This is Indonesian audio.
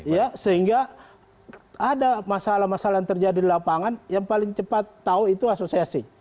ya sehingga ada masalah masalah yang terjadi di lapangan yang paling cepat tahu itu asosiasi